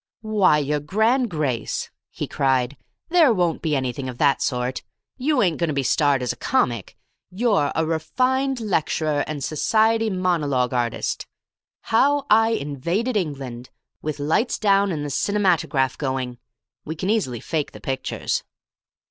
"Why, your Grand Grace," he cried, "there won't be anything of that sort. You ain't going to be starred as a comic. You're a Refined Lecturer and Society Monologue Artist. 'How I Invaded England,' with lights down and the cinematograph going. We can easily fake the pictures."